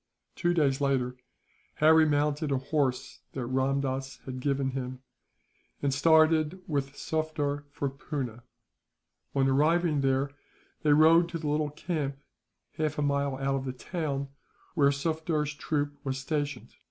Two days later, Harry mounted a horse that Ramdass had given him, and started with Sufder for Poona. On arriving there they rode to the little camp, half a mile out of the town, where Sufder's troop was stationed.